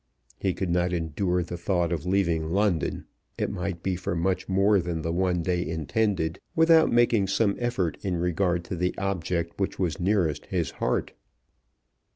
He could not endure the thought of leaving London, it might be for much more than the one day intended, without making some effort in regard to the object which was nearest his heart.